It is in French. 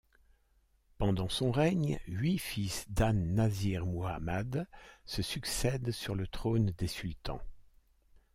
Pendant son règne huit fils d'An-Nâsir Muhammad se succèdent sur le trône des sultans.